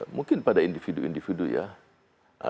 mungkin pada individu individu ya